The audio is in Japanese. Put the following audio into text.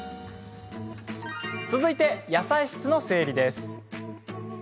続いて、野菜室の整理です。